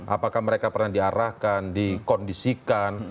apakah mereka pernah diarahkan dikondisikan